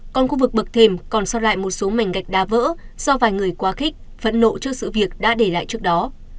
còn khu vực bực thềm còn so sát lại một số mảnh gạch đa vỡ do vài người quá khích phẫn nộ trước sự việc đã để lại trước đó